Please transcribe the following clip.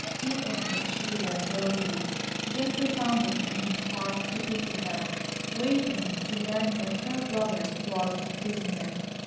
Even if she were guilty, Geoffrey found it in his heart to pity her waking to learn that her brother was a prisoner.